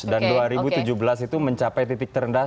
dan dua ribu tujuh belas itu mencapai titik terendah